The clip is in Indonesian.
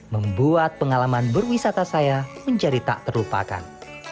membuat pengalaman berwisata saya menjadi tak terlupakan